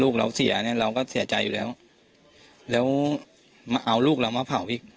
ลูกเราเสียเนี่ยเราก็เสียใจอยู่แล้วแล้วมาเอาลูกเรามาเผาอีก